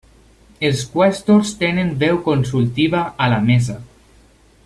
Els qüestors tenen veu consultiva a la Mesa.